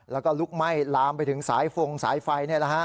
แล้วก็ลุกไหม้ลามไปถึงสายฟงสายไฟ